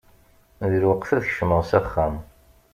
D lweqt ad kecmeɣ s axxam.